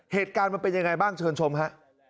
เหตุการณ์มันเป็นยังไงบ้างเชิญชมฮะ